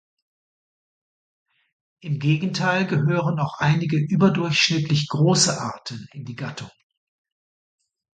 Im Gegenteil gehören auch einige überdurchschnittlich große Arten in die Gattung.